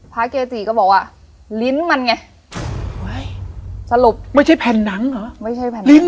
เกจิก็บอกว่าลิ้นมันไงว้ายสรุปไม่ใช่แผ่นหนังเหรอไม่ใช่แผ่นหนัง